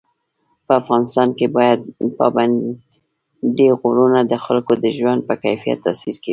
په افغانستان کې پابندی غرونه د خلکو د ژوند په کیفیت تاثیر کوي.